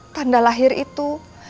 tanda lahir itu